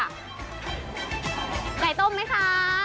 ไก่ต้มไหมคะ